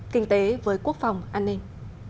kinh tế với quốc phòng an ninh